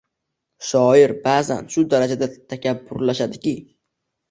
Shoir baʼzan shu darajada takabburlashadiki